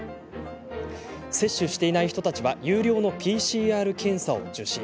接種していない人たちは有料のＰＣＲ検査を受診。